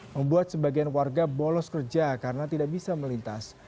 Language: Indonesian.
membuat sebagian warga bolos kerja karena tidak bisa melintas